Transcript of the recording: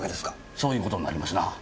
そういう事になりますな。